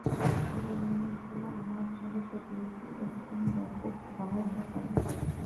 আগুন নিয়ন্ত্রণে আনার জন্য প্রতিবেশী স্পেন ব্যাপক সহায়তা করে।